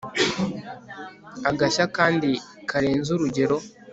Agashya kandi karenze urugero